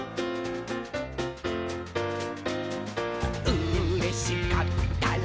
「うれしかったら」